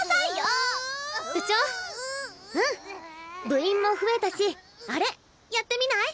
部員も増えたしあれやってみない？